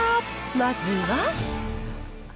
まずは。